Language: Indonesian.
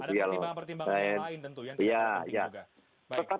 ada pertimbangan pertimbangan yang lain tentu ya